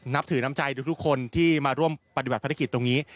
นับถือน้ำใจทุกคนที่มาร่วมปฏิบัติภารกิจตรงนี้